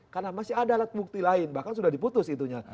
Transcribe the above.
karena masih ada alat bukti lain bahkan sudah diputus itunya